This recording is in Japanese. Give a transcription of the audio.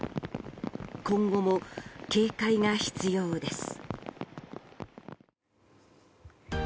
今後も警戒が必要です。